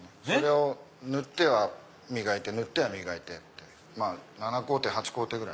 塗っては磨いて塗っては磨いて７工程８工程ぐらい。